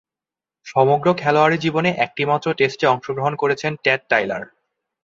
সমগ্র খেলোয়াড়ী জীবনে একটিমাত্র টেস্টে অংশগ্রহণ করেছেন টেড টাইলার।